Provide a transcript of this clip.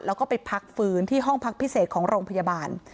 แล้วก็ไปพักฟื้นที่ห้องพักพิเศษของโรงพยาบาล